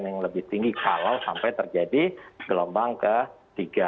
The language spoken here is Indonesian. yang lebih tinggi kalau sampai terjadi gelombang ketiga